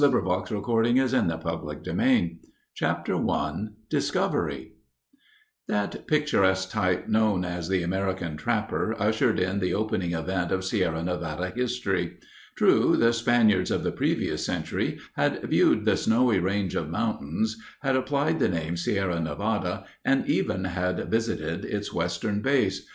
Ayres, 1855_ The First Drawing Made in Yosemite] CHAPTER I DISCOVERY That picturesque type known as the American trapper ushered in the opening event of Sierra Nevada history. True, the Spaniards of the previous century had viewed the "snowy range of mountains," had applied the name Sierra Nevada, and even had visited its western base.